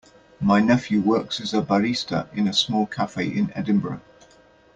My nephew works as a barista in a small cafe in Edinburgh.